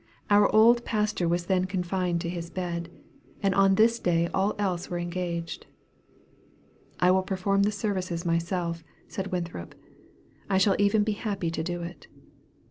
Our old pastor was then confined to his bed, and on this day all else were engaged. "I will perform the services myself," said Winthrop. "I shall even be happy to do it."